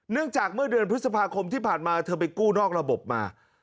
จากเมื่อเดือนพฤษภาคมที่ผ่านมาเธอไปกู้นอกระบบมา